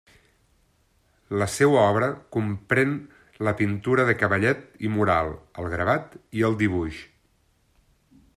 La seua obra comprén la pintura de cavallet i mural, el gravat i el dibuix.